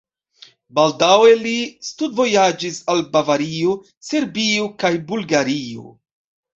Baldaŭe li studvojaĝis al Bavario, Serbio kaj Bulgario.